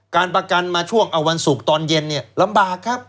การประกันมาช่วงเอาวันศุกร์ตอนเย็นเนี่ยลำบากครับ